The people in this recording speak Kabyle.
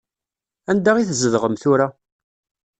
Anda i tzedɣem tura?